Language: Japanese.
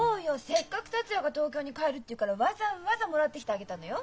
せっかく達也が東京に帰るって言うからわざわざもらってきてあげたのよ。